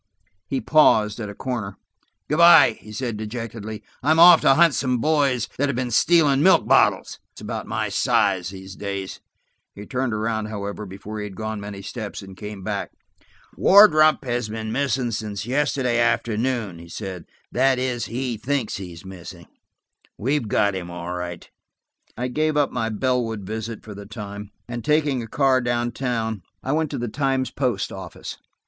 He paused at a corner. "Good by," he said dejectedly. "I'm off to hunt some boys that have been stealing milk bottles. That's about my size, these days." He turned around, however, before he had gone many steps and came back. "Wardrop has been missing since yesterday afternoon," he said. "That is, he thinks he's missing. We've got him all right." I gave up my Bellwood visit for the time, and taking a car down town, I went to the Times Post office.